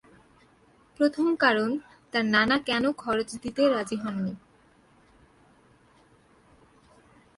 প্রথম কারণ, তার নানা কোনো খরচ দিতে রাজি হননি।